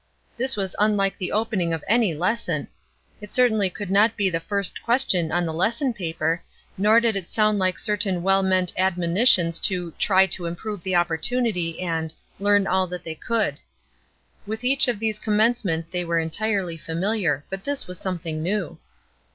This was unlike the opening of any lesson! It certainly could not be the first question on the lesson paper; nor did it sound like certain well meant admonitions to "try to improve the opportunity" and "learn all that they could." With each of these commencements they were entirely familiar; but this was something new.